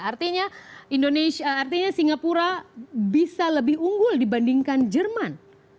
artinya indonesia artinya singapura bisa lebih unggul dibandingkan jerman